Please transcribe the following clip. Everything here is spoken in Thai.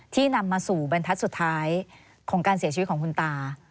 นำมาสู่บรรทัศน์สุดท้ายของการเสียชีวิตของคุณตา